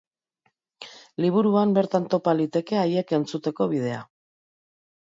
Liburuan bertan topa liteke haiek entzuteko bidea.